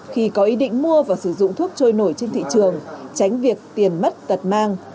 khi có ý định mua và sử dụng thuốc trôi nổi trên thị trường tránh việc tiền mất tật mang